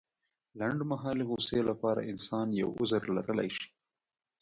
لنډمهالې غوسې لپاره انسان يو عذر لرلی شي.